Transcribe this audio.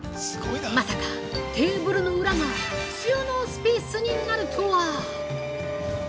まさかテーブルの裏が収納スペースになるとは！